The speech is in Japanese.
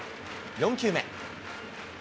４球目。